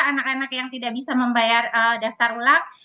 anak anak yang tidak bisa membayar daftar ulang